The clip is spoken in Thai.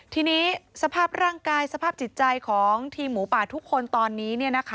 ทีนี้สภาพร่างกายสภาพจิตใจของทีมหมูป่าทุกคนตอนนี้